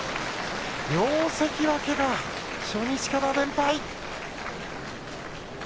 両関脇が初日から連敗。